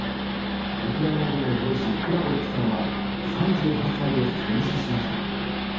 ウクライナ軍の兵士クラベッツさんは３８歳で戦死しました。